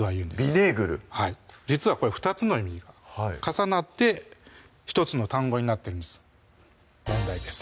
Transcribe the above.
ヴィネーグル実はこれ２つの意味が重なって１つの単語になってるんです問題です